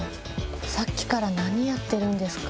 さっきから何やってるんですか？